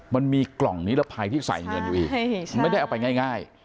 มันมีกล่องนิรภัยที่ใส่เงินอยู่อีกไม่ได้เอาไปง่าย